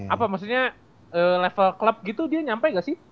apa maksudnya level club gitu dia nyampe ga sih